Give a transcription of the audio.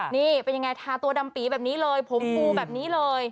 นี่เป็นยังไงทาตัวดำปีแบบนี้เลยผมฟูแบบนี้เลย